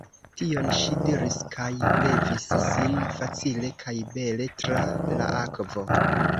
Tion ŝi diris kaj levis sin facile kaj bele tra la akvo.